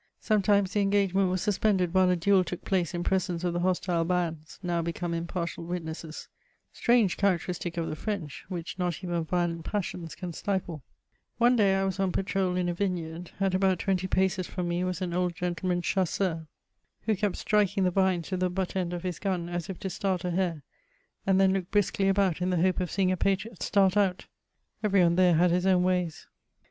Sometimes the engagement was suspended while a duel took place in presence of the hostile bands, now become impartial witnesses ; strange charac teristic of the French, which not even violent passions can Stifle I One day I was on patrol in a vineyard ; at about twenty paces from me was an old gentleman chasseur^ who kept strik YOL. I. 2d 348 MEMOIRS OF ing the Tines with the hutt end of his gun as if to start a hare, and then k)oked hiiskly about in the hope of seeing a patriot start out ; eveiy one there had his own ways.